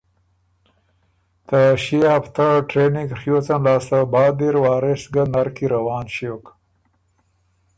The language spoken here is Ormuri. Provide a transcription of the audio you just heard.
ته ݭيې هفته ټرېننګ ڒیوڅن لاسته بعد اِر وارث ګه نر کی روان ݭیوک۔